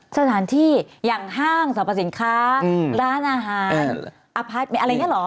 สถานที่อย่างห้างสรรพสินค้าร้านอาหารอพาร์ทอะไรอย่างนี้เหรอ